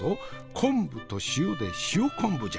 昆布と塩で塩昆布じゃ！